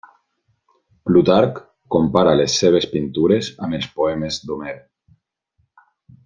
Plutarc compara les seves pintures amb els poemes d'Homer.